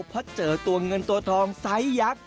เพราะเจอตัวเงินตัวทองไซส์ยักษ์